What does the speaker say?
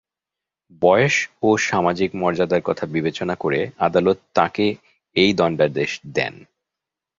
বয়স ও সামাজিক মর্যাদার কথা বিবেচনা করে আদালত তাঁকে এই দণ্ডাদেশ দেন।